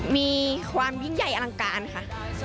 มีความยิ่งใหญ่อลังการค่ะ